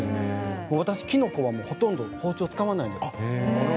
私、きのこは、ほとんど包丁を使わないんです。